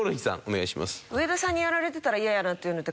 上田さんにやられてたら嫌やなっていうので。